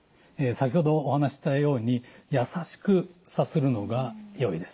先ほどお話ししたようにやさしくさするのがよいです。